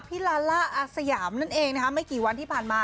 ลาล่าอาสยามนั่นเองนะคะไม่กี่วันที่ผ่านมา